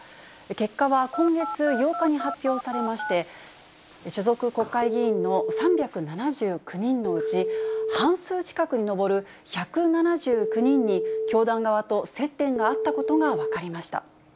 結果は今月８日に発表されまして、所属国会議員の３７９人のうち、半数近くに上る１７９人に、教団側と接点があったことが分かりました。